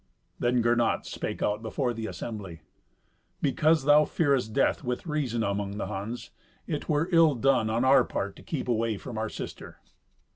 Then Gernot spake out before the assembly, "Because thou fearest death with reason among the Huns, it were ill done on our part to keep away from our sister."